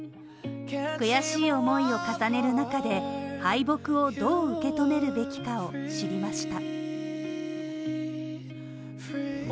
悔しい思いを重ねる中で敗北をどう受け止めるべきかを知りました